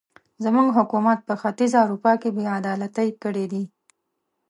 زموږ حکومت په ختیځه اروپا کې بې عدالتۍ کړې دي.